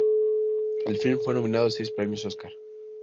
El film fue nominado a seis premios Oscar.